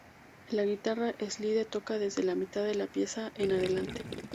La guitarra slide toca desde la mitad de la pieza en adelante.